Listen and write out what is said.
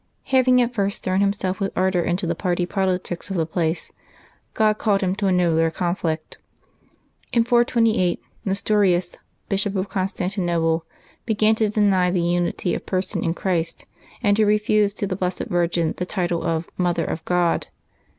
Having at first thrown himself with ardor into the party politics of the place, God called him to a nobler conflict. In 428, Xestorins, Bishop of Constantinople, began to deny the unity of Person in Christ, and to refuse to the Blessed Virgin the title of " Mother of God."